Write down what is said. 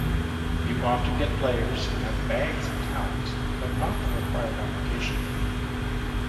You often get players who have bags of talent, but not the required application.